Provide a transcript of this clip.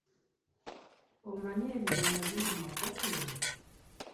Omanyi ebirungo ebiri mu nkoko eyo?